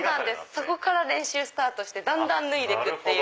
そこから練習スタートしてだんだん脱いで行くっていう。